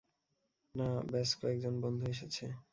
না, ব্যস কয়েকজন বন্ধু এসেছে।